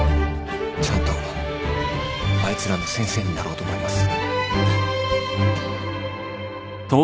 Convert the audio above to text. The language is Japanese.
ちゃんとあいつらの先生になろうと思います。